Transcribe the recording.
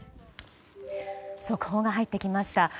速報が入ってきました。